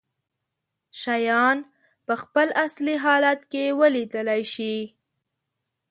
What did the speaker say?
شيان په خپل اصلي حالت کې ولیدلی شي.